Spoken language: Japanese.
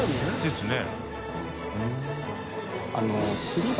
ですね。